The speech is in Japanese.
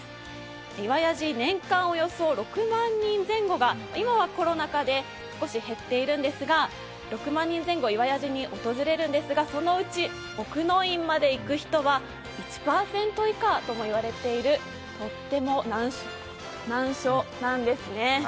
岩屋寺、年間およそ６万人前後が今はコロナ禍で少し減っているんですが、６万人前後、岩屋寺に訪れるんですがそのうち奥の院まで行く人は１％以下とも言われているとっても難所なんですね。